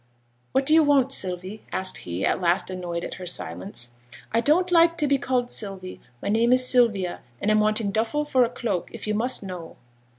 'What do you want, Sylvie?' asked he, at last annoyed at her silence. 'I don't like to be called "Sylvie;" my name is Sylvia; and I'm wanting duffle for a cloak, if you must know.'